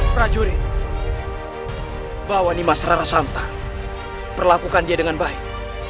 prajurit bawa nimas rara santan perlakukan dia dengan baik